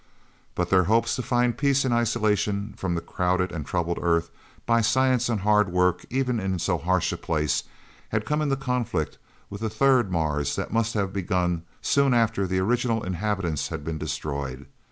But their hopes to find peace and isolation from the crowded and troubled Earth by science and hard work even in so harsh a place, had come into conflict with a third Mars that must have begun soon after the original inhabitants had been destroyed.